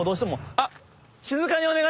あっ。